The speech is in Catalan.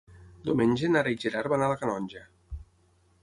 Diumenge na Nara i en Gerard van a la Canonja.